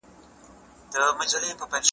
طبیعت ته پاملرنه د انساني مسؤلیت نښه ده.